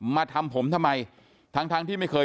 มาทำผมทำไมทั้งทั้งที่ไม่เคย